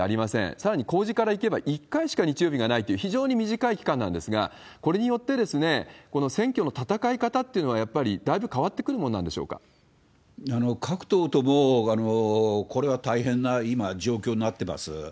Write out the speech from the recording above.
さらに公示からいけば１回しか日曜日がないという非常に短い期間なんですが、これによって、この選挙の戦い方というのはやっぱりだいぶ変わってくるもんなん各党とも、これは大変な今、状況になってます。